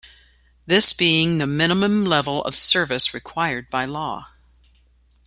This being the minimum level of service required by law.